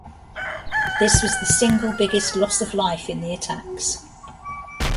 This was the single biggest loss of life in the attacks.